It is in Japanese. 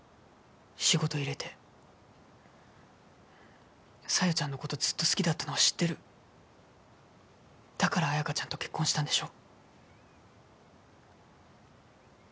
仕事入れて小夜ちゃんのことずっと好きだったのは知ってるだから綾華ちゃんと結婚したんでしょ？